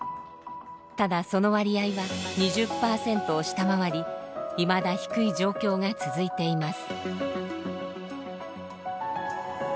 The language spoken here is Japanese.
ただその割合は２０％を下回りいまだ低い状況が続いています。